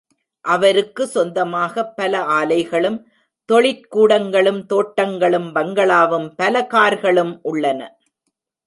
அவருக்கு சொந்தமாக பல ஆலைகளும், தொழிற்கூடங்களும், தோட்டங்களும், பங்களாவும் பல கார்களும் உள்ளன.